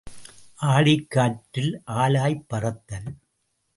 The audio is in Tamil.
ஆடிக் காற்றில் ஆலாய்ப் பறத்தல்.